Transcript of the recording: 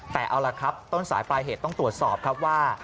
แต่เอาล่ะครับต้นสายปลายเหตุต้องตรวจสอบครับว่า